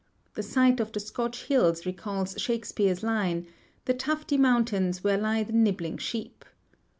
The sight of the Scotch hills recalls Shakespeare's line, "The tufty mountains where lie the nibbling sheep."